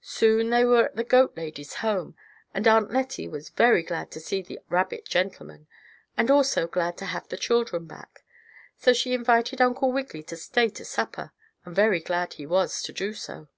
Soon they were at the goat lady's home, and Aunt Lettie was very glad to see the rabbit gentleman, and also glad to have the children back. So she invited Uncle Wiggily to stay to supper, and very glad he was to do so.